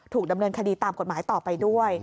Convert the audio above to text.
ดำเนินคดีตามกฎหมายต่อไปด้วย